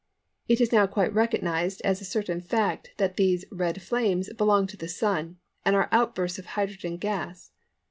It is now quite recognised as a certain fact that these "Red Flames" belong to the Sun and are outbursts of hydrogen gas.